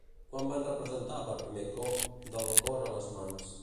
Quan van representar per primer cop Del cor a les mans?